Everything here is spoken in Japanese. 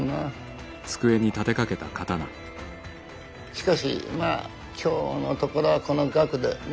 しかしまあ今日のところはこの額で。ね。